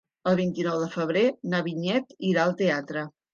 El vint-i-nou de febrer na Vinyet irà al teatre.